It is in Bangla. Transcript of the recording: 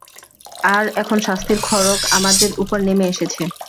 আর, এখন শাস্তির খড়গ আমাদের উপর নেমে এসেছে!